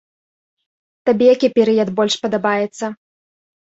Табе які перыяд больш падабаецца?